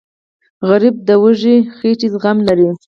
غریب د وږې خېټې زغم لري